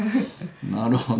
なるほど。